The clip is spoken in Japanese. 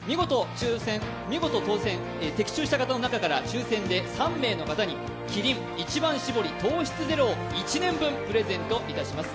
見事、的中した方の中から抽選で３名の方にキリン一番搾り糖質ゼロを１年分プレゼントいたします。